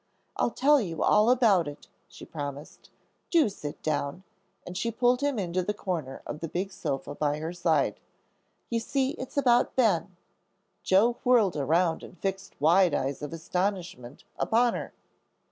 "I'll tell you all about it," she promised; "do sit down," and she pulled him into the corner of the big sofa by her side; "you see it's about Ben." Joel whirled around and fixed wide eyes of astonishment upon her.